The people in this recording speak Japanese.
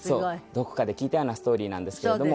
どこかで聞いたようなストーリーなんですけれども。